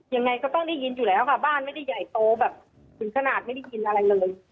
ยังไงก็ต้องได้ยินอยู่แล้วค่ะบ้านไม่ได้ใหญ่โตแบบถึงขนาดไม่ได้ยินอะไรเลย